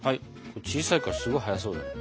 小さいからすごい早そうだね。